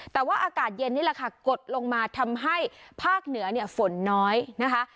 แต่ว่าอากาศเย็นนี่แหละค่ะกดลงมาทำให้ภาคเหนือเนี่ยฝนน้อยนะคะ